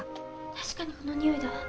確かにこの匂いだわ。